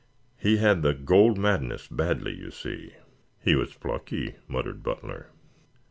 He had the gold madness badly, you see." "He was plucky," muttered Butler.